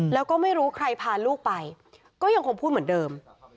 แล้วก็ไม่รู้ใครพาลูกไปก็ยังคงพูดเหมือนเดิม